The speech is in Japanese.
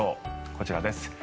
こちらです。